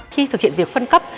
khi thực hiện việc phân cấp